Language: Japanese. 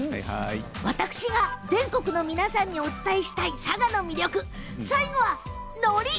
私が全国の皆さんにお伝えしたい佐賀の魅力、最後はのり。